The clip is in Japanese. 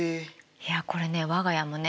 いやこれね我が家もね